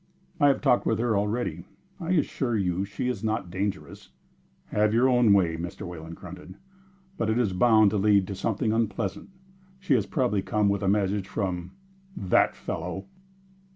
"I have talked with her already. I assure you she is not dangerous." "Have your own way," Mr. Wayland grunted. "But it is bound to lead to something unpleasant. She has probably come with a message from that fellow."